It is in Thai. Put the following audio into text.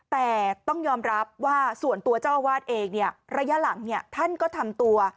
แต่ต้องยอมรับว่าส่วนตัวเจ้าอาวาสเองระยะหลังท่านก็ทำตัว